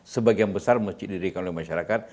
sebagian besar masjid didirikan oleh masyarakat